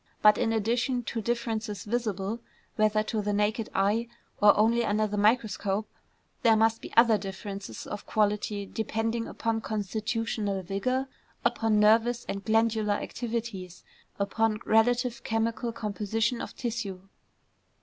But in addition to differences visible whether to the naked eye, or only under the microscope, there must be other differences of quality depending upon constitutional vigor, upon nervous and glandular activities, upon relative chemical composition of tissue.